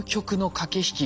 駆け引き。